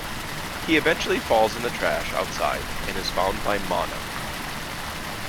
He eventually falls in the trash outside and is found by Mana.